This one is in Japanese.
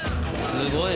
すごい。